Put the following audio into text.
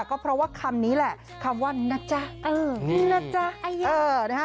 ก็เพราะว่าคำนี้แหละคำว่านะจ๊ะเออนี่นะจ๊ะนะฮะ